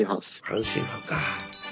阪神ファンかあ。